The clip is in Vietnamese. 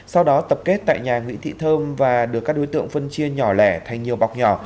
sau đó tập kết tại nhà nguyễn thị thơm và được các đối tượng phân chia nhỏ lẻ thành nhiều bọc nhỏ